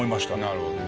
なるほど。